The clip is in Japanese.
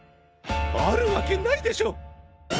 あるわけないでしょ！